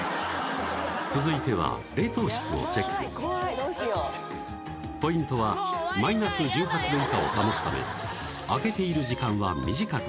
続いては冷凍室をチェックポイントはマイナス１８度以下を保つため開けている時間は短く